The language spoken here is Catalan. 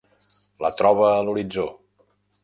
La troba a l'horitzó.